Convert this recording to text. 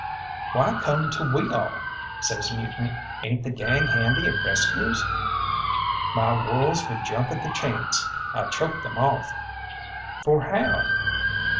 "Why come to we all?" says Mutiny, "ain't the gang handy at rescues?" "My wolves would jump at the chance; I choked them off." "For how?"